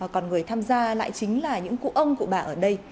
còn người tham gia lại chính là những cụ ông của bà ở đây